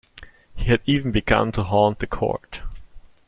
He had even begun to haunt the court.